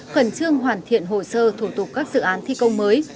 khẩn trương hoàn thiện hồ sơ thủ tục các dự án thi công mới